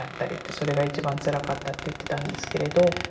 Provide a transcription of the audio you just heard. それが一番つらかったって言ってたんですけれど。